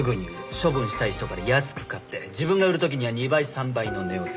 処分したい人から安く買って自分が売る時には２倍３倍の値を付ける。